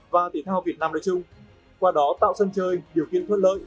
và thể thao việt nam nói chung qua đó tạo sân chơi điều kiện thuận lợi